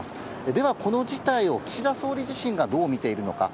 では、この事態を岸田総理自身がどう見ているのか。